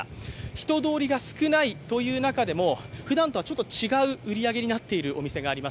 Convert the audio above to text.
人通りが少ないという中でもふだんとはちょっと違う売り上げになっているお店があります。